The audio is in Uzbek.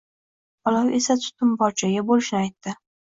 Olov esa tutun bor joyda boʻlishini aytdi